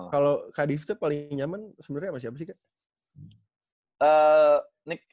kalau kadif itu paling nyaman sebenarnya sama siapa sih kak